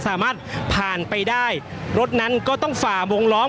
ก็น่าจะมีการเปิดทางให้รถพยาบาลเคลื่อนต่อไปนะครับ